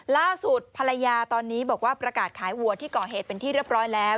ล่าสุดภรรยาตอนนี้บอกว่าประกาศขายวัวที่ก่อเหตุเป็นที่เรียบร้อยแล้ว